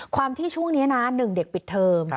ความที่ช่วงนี้นะ๑เด็กปิดเทอม